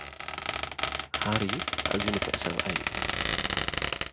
ሃሪ ኣዝዩ ንፍዕ ሰብኣይ እዩ።